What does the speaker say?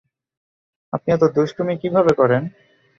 আপনি এত দুষ্টুমি কিভাবে করেন?